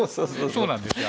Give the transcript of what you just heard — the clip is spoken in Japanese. そうなんですよ。